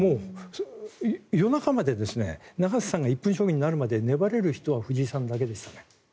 夜中まで永瀬さんが１分将棋になるまで粘れる人は藤井さんだけですね。